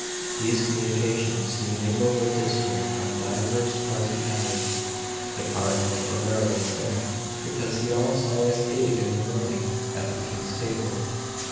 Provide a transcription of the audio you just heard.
These communications he mingled with discourse on divers pleasant matters. The Cardinal of Ferrara was there, because he almost always ate in the morning at the King's table.